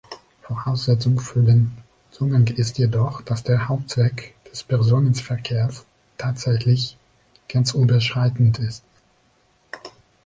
Voraussetzung für den Zugang ist jedoch, dass der Hauptzweck des Personenverkehrs tatsächlich grenzüberschreitend ist.